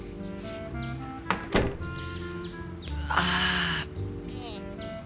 ああ。